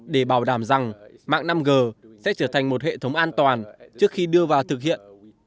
để bảo đảm rằng mạng năm g sẽ trở thành một hệ thống an toàn trước khi đưa vào thực hiện